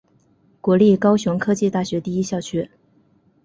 国立高雄科技大学第一校区。